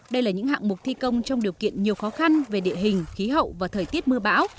đây là những hạng mục thi công trong điều kiện nhiều khó khăn về địa hình khí hậu và thời tiết mưa bão